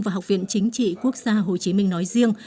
và học viện chính trị quốc gia hồ chí minh nói riêng